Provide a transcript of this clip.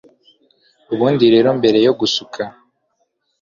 Ubundi rero, mbere yo gusuka